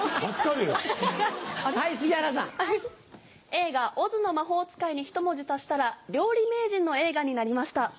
映画『オズの魔法使い』にひと文字足したら料理名人の映画になりました。